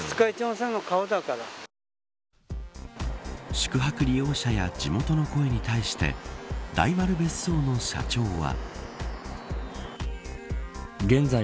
宿泊利用者や地元の声に対して大丸別荘の社長は。